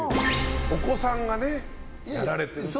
お子さんがねやられているという。